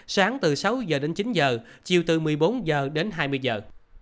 sáng từ sáu giờ đến chín giờ chiều từ một mươi bốn giờ đến hai mươi giờ